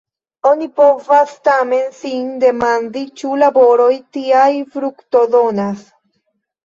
Oni povas tamen sin demandi, ĉu laboroj tiaj fruktodonas.